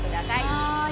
はい。